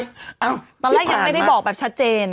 ตอนแรกยังไม่ได้บอกแบบชัดเจน